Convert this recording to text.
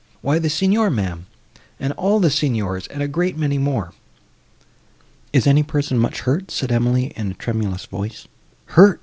"Why the Signor, ma'am, and all the Signors, and a great many more." "Is any person much hurt?" said Emily, in a tremulous voice. "Hurt!